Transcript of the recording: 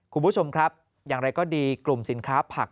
คุณผู้ชมครับอย่างไรก็ดีกลุ่มสินค้าผัก